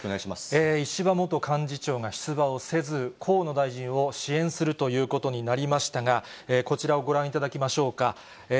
石破元幹事長が出馬をせず、河野大臣を支援するということになりましたが、こちらをご覧いただきましょうか。